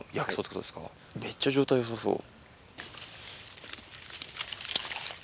めっちゃ状態よさそう。